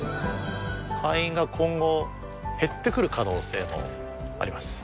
会員が今後、減ってくる可能性もあります。